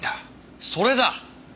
それだ！